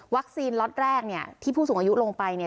วัคซีนล็อตแรกเนี่ยที่ผู้สูงอายุลงไปเนี่ย